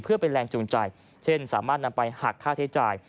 เพื่อเป็นแรงจูงใจเช่นสามารถนำไปหักค่าใช้จ่าย